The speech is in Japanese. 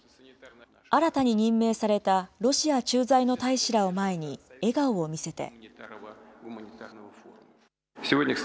新たに任命されたロシア駐在の大使らを前に笑顔を見せて。